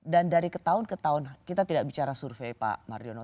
dan dari tahun ke tahun kita tidak bicara survei pak mardiono